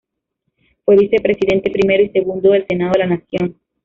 Fue Vicepresidente Primero y Segundo del Senado de la Nación.